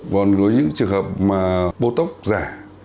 còn có những trường hợp mà botox giả